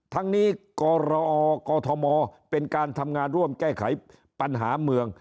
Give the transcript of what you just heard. ทั้งนี้กรอกธมเป็นการทำงานร่วมแก้ไขปัญหาเมือง